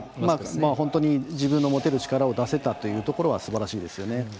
本当に自分のもてる力を出せたというところはすばらしいですよね。